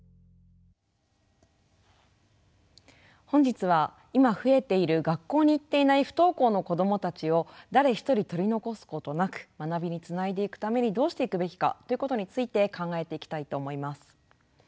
本日は今増えている学校に行っていない不登校の子どもたちを誰一人取り残すことなく学びにつないでいくためにどうしていくべきかということについて考えていきたいと思います。